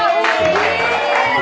dari keluarga siapa